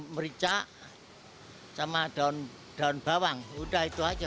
merica sama daun bawang udah itu aja